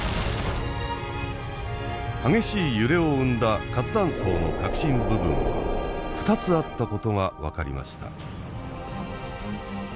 激しい揺れを生んだ活断層の核心部分は２つあったことが分かりました。